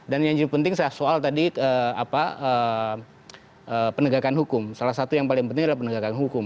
dan yang penting soal tadi apa penegakan hukum salah satu yang paling penting adalah penegakan hukum